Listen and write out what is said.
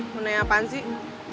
mau nanya apaan sih